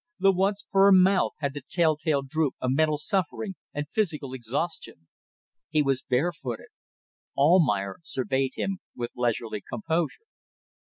The once firm mouth had the tell tale droop of mental suffering and physical exhaustion. He was barefooted. Almayer surveyed him with leisurely composure.